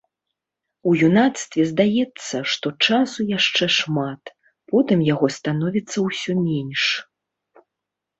У юнацтве здаецца, што часу яшчэ шмат, потым яго становіцца ўсё менш.